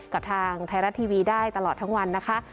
กับทางไทยรัฐทีวีได้ตลอดทั้งวันนะคะ